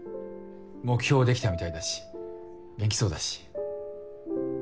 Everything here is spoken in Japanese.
目標できたみたいだし元気そうだし。